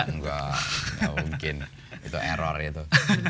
enggak mungkin itu error itu